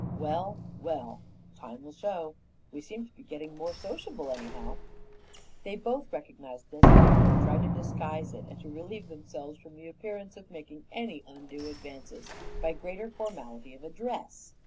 Well, well, time will show. We seem to be getting more sociable, anyhow." They both recognized this fact and tried to disguise it and to relieve themselves from the appearance of making any undue advances by greater formality of address.